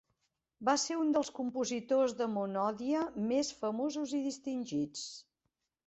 Va ser un dels compositors de monodia més famosos i distingits.